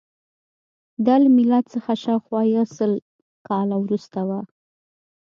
دا له میلاد څخه شاوخوا یو سل کاله وروسته وه